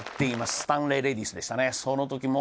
スタンレーレディスでしたね。